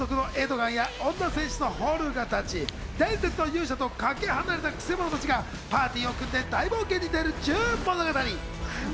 盗賊のエドガンや女戦士のホルガたち、伝説の勇者とはかけ離れたくせ者たちがパーティーを組んで、大冒険に出るという物語。